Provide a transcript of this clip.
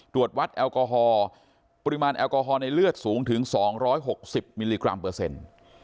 ตรวจวัดแอลกอฮอล์ปริมาณแอลกอฮอลในเลือดสูงถึง๒๖๐มิลลิกรัมเปอร์เซ็นต์